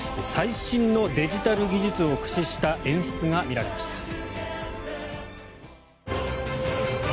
最新のデジタル技術を駆使した演出が見られました。